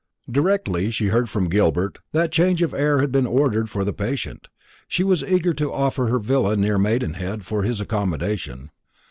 Directly she heard from Gilbert that change of air had been ordered for the patient, she was eager to offer her villa near Maidenhead for his accommodation.